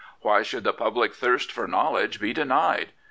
Why should the public thirst for knowledge be denied